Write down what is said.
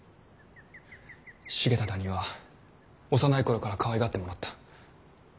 重忠には幼い頃からかわいがってもらった。